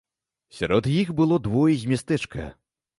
Сярод іх было двое з мястэчка.